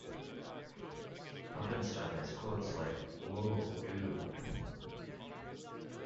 Pufnstuf has quotes like Whoa, dude!